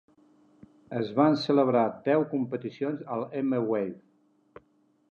Es van celebrar deu competicions al M-Wave.